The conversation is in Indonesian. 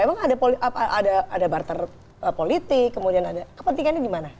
emang ada barter politik kemudian ada kepentingannya di mana